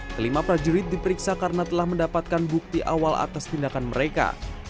kelima prajurit diperiksa karena telah mendapatkan bukti awal atas tindakan mereka